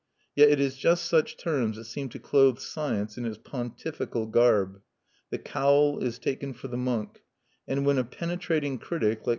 Yet it is just such terms that seem to clothe "Science" in its pontifical garb; the cowl is taken for the monk; and when a penetrating critic, like M.